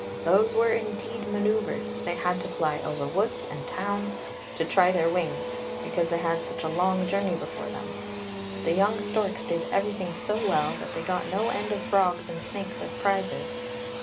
Those were indeed manoeuvres ! They had to fly over woods and towns, to try their wings, because they had such a long journey before them. The young storks did everything so well that they got no end of frogs and snakes as prizes.